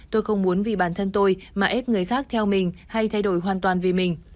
tôi không muốn vì bản thân tôi mà ép người khác theo mình hay thay đổi hoàn toàn vì mình